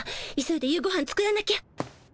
急いで夕ごはん作らなきゃ。